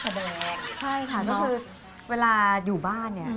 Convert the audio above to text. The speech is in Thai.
ใช่ค่ะก็คือเวลาอยู่บ้านเนี่ย